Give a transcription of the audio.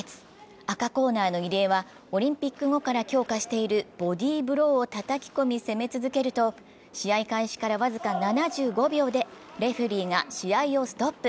赤コーナーの入江はオリンピック後から強化しているホディブローをたたき込み、攻め続けると、試合開始から僅か７５秒でレフェリーが試合をストップ。